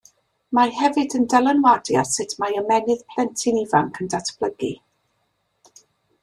Mae hefyd yn dylanwadu ar sut mae ymennydd plentyn ifanc yn datblygu.